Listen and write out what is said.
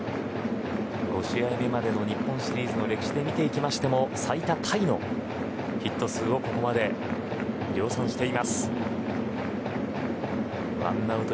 ５試合目までは日本シリーズの歴史で見ていきましても最多タイのヒット数をここまで量産しています。